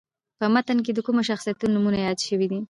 په متن کې د کومو شخصیتونو نومونه یاد شوي دي.